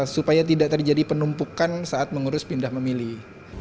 supaya tidak terjadi penumpukan saat mengurus pindah memilih